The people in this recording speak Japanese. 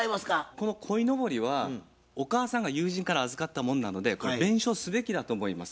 このこいのぼりはお母さんが友人から預かったものなのでこれは弁償すべきだと思います。